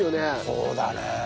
そうだね。